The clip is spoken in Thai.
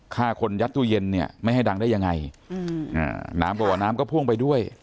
ฆ่าคนยัดตู้เย็นเนี่ยไม่ให้ดังได้ยังไงอืมอ่าน้ำบอกว่าน้ำก็พ่วงไปด้วย